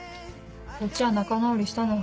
そっちは仲直りしたの？